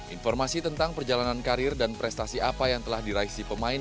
informasi tentang perjalanan karir dan prestasi apa yang telah diraih si pemain